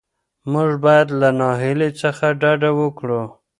موږ باید له ناهیلۍ څخه ډډه وکړو.